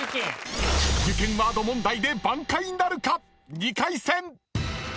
［受験ワード問題で挽回なるか⁉］